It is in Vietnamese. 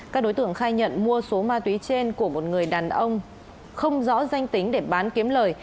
các đối tượng khai nhận mua số ma túy trên của một người đàn ông không rõ danh tính để bán kiếm lời